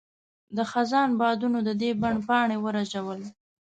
د خزان بادونو د دې بڼ پاڼې ورژول.